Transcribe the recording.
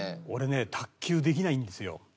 俺ね卓球できないんですよ。